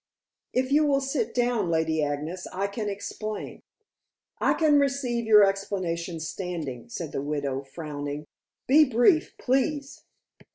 "If you will sit down, Lady Agnes, I can explain." "I can receive your explanation standing," said the widow, frowning. "Be brief, please."